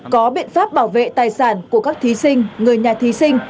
có biện pháp bảo vệ tài sản của các thí sinh người nhà thí sinh